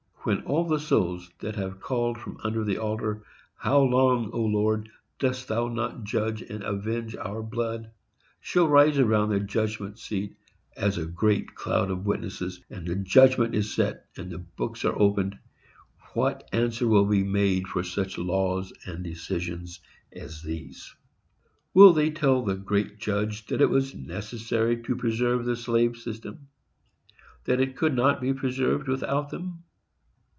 —when all the souls that have called from under the altar, "How long, O Lord, dost thou not judge and avenge our blood," shall rise around the judgment seat as a great cloud of witnesses, and the judgment is set and the books are opened,—what answer will be made for such laws and decisions as these? Will they tell the great Judge that it was necessary to preserve the slave system,—that it could not be preserved without them?